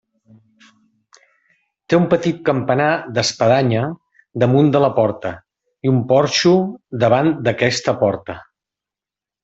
Té un petit campanar d'espadanya damunt de la porta i un porxo davant d'aquesta porta.